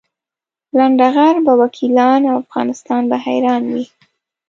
لنډه غر به وکیلان او افغانستان به حیران وي.